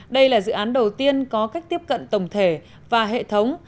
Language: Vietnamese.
đây là dự án đầu tiên có cách tiếp cận tổng thể và hệ thống